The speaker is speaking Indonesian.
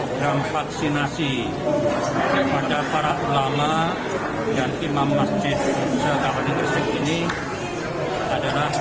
ketrawe yang vaksinasi daripada para ulama dan imam masjid di kabupaten gresik ini adalah